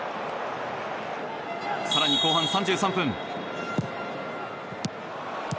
更に後半３３分。